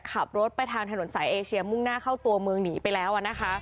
ขับรถไปทางถนนสายเอเชียมุ่งหน้าเข้าตัวเมืองหนีไปแล้วนะคะ